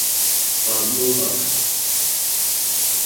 Fazlul Huq.